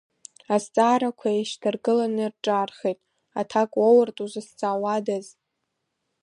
Азҵаарақәа еишьҭаргыланы рҿаархеит, аҭак уоуртә, узызҵаауадаз?!